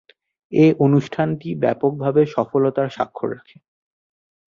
এ অনুষ্ঠানটি ব্যাপকভাবে সফলতার স্বাক্ষর রাখে।